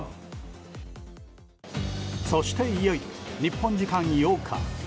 そしていよいよ日本時間８日。